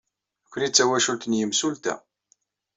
Nekkni d tawacult n yimsulta.